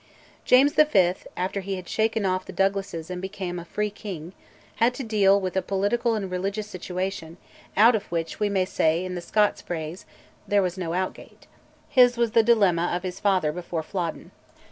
James V., after he had shaken off the Douglases and become "a free king," had to deal with a political and religious situation, out of which we may say in the Scots phrase, "there was no outgait." His was the dilemma of his father before Flodden.